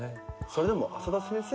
それでも。